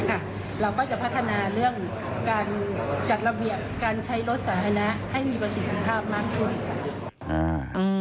เวลาเหยียบการใช้รถสาธารณะให้มีประสิทธิภาพมากทวด